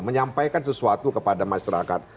menyampaikan sesuatu kepada masyarakat